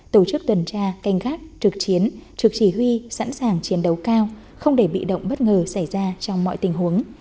tổ chức tuần tra canh gác trực chiến trực chỉ huy sẵn sàng chiến đấu cao không để bị động bất ngờ xảy ra trong mọi tình huống